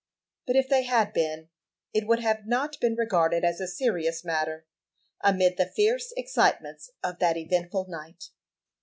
But if they had been, it would not have been regarded as a serious matter, amid the fierce excitements of that eventful night.